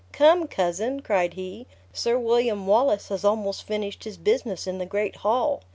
"Come, cousin!" cried he, "Sir William Wallace has almost finished his business in the great hall.